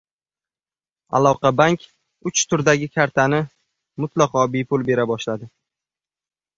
«Aloqabank» uch turdagi kartani mutlaqo bepul bera boshladi